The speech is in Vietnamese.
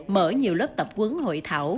mở nhiều lớp tập quấn hội thảo